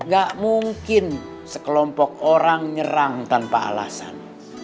gak mungkin sekelompok orang nyerang tanpa alasan